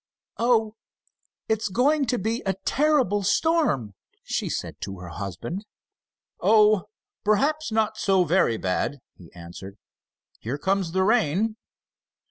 "Oh, it's going to be a terrible storm," she said to her husband. "Oh, perhaps not so very bad," he answered. "Here comes the rain!"